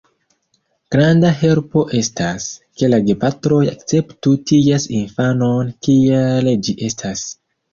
Granda helpo estas, ke la gepatroj akceptu ties infanon, kiel ĝi estas.